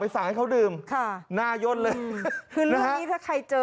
ไปสั่งให้เขาดื่มน่ายนเลยนะฮะคือเรื่องนี้ถ้าใครเจอ